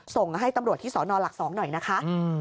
ส่งให้ตำรวจที่สนหลัก๒หน่อยนะคะ